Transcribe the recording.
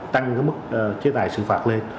tăng cái mức chế tài sự phạt lên